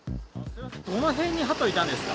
どの辺にハトいたんですか？